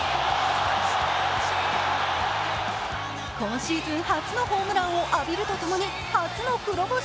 今シーズン初のホームランを浴びるとともに初の黒星。